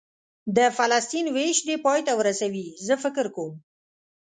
د فلسطین وېش دې پای ته ورسوي، زه فکر کوم.